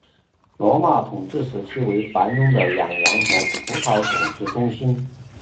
罗马统治时期为繁荣的养牛和葡萄种植中心。